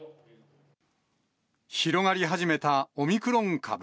広がり始めたオミクロン株。